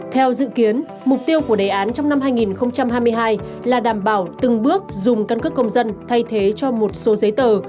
theo dự kiến mục tiêu của đề án trong năm hai nghìn hai mươi hai là đảm bảo từng bước dùng căn cước công dân thay thế cho một số giấy tờ